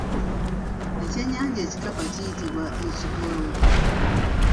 Ekyennyanja ekikapa kiyitibwa ekigolo.